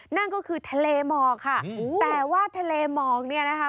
นั่นก็คือทะเลหมอกค่ะแต่ว่าทะเลหมอกเนี่ยนะคะ